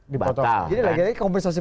dibatasi jadi lagi lagi kompensasi